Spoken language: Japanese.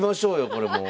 これもう。